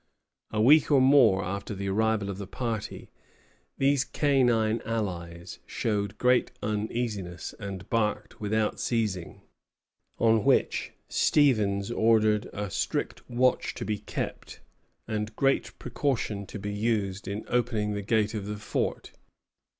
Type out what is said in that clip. A week or more after the arrival of the party, these canine allies showed great uneasiness and barked without ceasing; on which Stevens ordered a strict watch to be kept, and great precaution to be used in opening the gate of the fort.